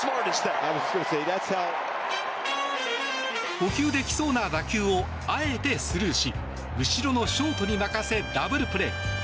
捕球できそうな打球をあえてスルーし後ろのショートに任せダブルプレー。